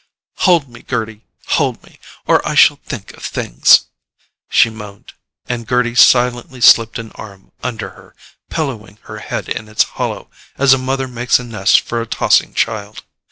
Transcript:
"Hold me, Gerty, hold me, or I shall think of things," she moaned; and Gerty silently slipped an arm under her, pillowing her head in its hollow as a mother makes a nest for a tossing child.